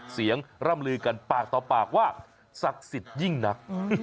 ร่ำลือกันปากต่อปากว่าศักดิ์สิทธิ์ยิ่งนัก